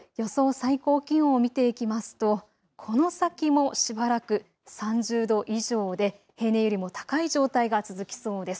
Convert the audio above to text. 最高気温を見ていきますとこの先もしばらく３０度以上で平年よりも高い状態が続きそうです。